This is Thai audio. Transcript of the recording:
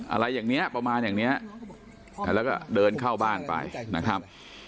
อะไรอย่างนี้ประมาณอย่างเนี้ยแล้วก็เดินเข้าบ้านไปนะครับ